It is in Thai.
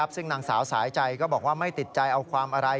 ซึ่งนางสาวสายใจก็บอกว่าไม่ติดใจเอาความอะไร